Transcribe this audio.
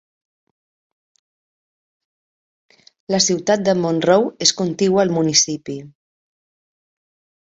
La ciutat de Monroe és contigua al municipi.